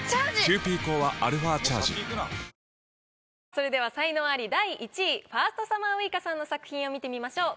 それでは才能アリ第１位ファーストサマーウイカさんの作品を見てみましょう。